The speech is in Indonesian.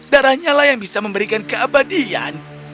darahnya lah yang bisa memberikan keabadian